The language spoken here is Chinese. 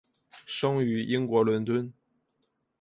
生于英国伦敦。